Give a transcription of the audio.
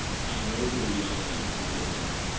I know the reality through this image.